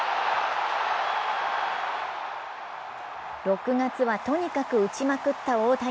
６月は、とにかく打ちまくった大谷。